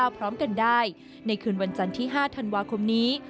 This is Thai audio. พร้อมกันได้ในคืนวันจันทร์ที่๕ธันวาคมนี้